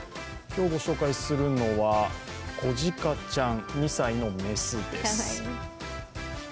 今日ご紹介するのはこじかちゃん、２歳の雌です。